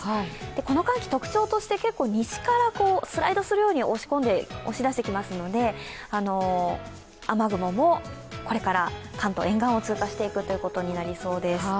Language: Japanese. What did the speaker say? この寒気、特徴として西からスライドするように押し出してきますので、雨雲もこれから関東沿岸を通過していくことになりそうです。